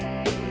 nah ini juga